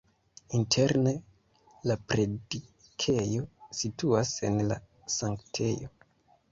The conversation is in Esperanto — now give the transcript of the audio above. Interne la predikejo situas en la sanktejo.